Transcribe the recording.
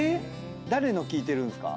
誰の聞いてるんですか？